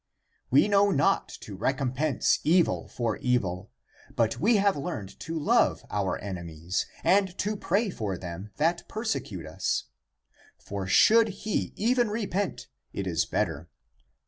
We know not to recompense evil for evil, but we have learned to love our enemies, and to pray for them that per secute us. For should he even repent, it is better.